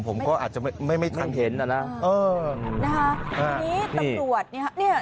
ผมก็อาจจะไม่ทันเห็นอ่ะนะนะคะทีนี้ตำรวจเนี่ย